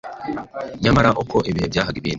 Nyamara uko ibihe byahaga ibindi,